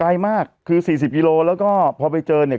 ใกล้มากคือ๔๐กิโลเมตรแล้วก็พอไปเจอเนี่ย